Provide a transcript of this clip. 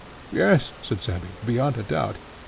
Yes, said Cebes, beyond a doubt.